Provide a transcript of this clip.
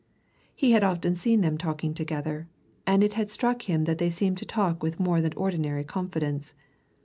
He had often seen them talking together, and it had struck him that they seemed to talk with more than ordinary confidence.